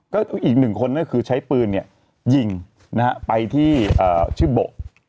ก็อีกหนึ่งคนก็คือใช้ปืนยิงไปที่ชื่อโบ